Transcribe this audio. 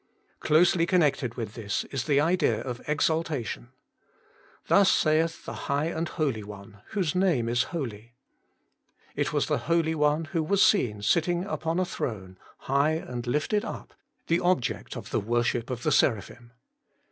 Closely connected with this is the idea of Exalta tion :' Thus saith the High and Holy One, whose name is Holy.' It was the Holy One who was seen sitting upon a throne high and lifted up, the object of the worship of the seraphim.